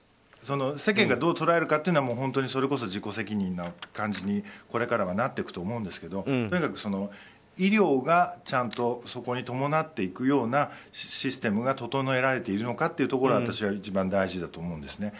世間がどう捉えるかというのは本当に自己責任の感じにこれからはなっていくと思うんですけどとにかく、医療がちゃんとそこに伴っていくようなシステムが整えられているのかというところが私は一番大事だと思うんです。